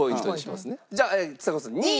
じゃあちさ子さん２位。